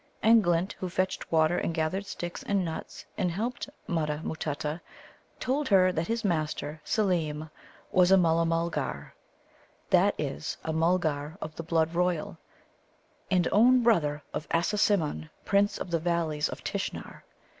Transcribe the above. And Glint, who fetched water and gathered sticks and nuts, and helped Mutta matutta, told her that his master, Seelem, was a Mulla mulgar that is, a Mulgar of the Blood Royal and own brother to Assasimmon, Prince of the Valleys of Tishnar.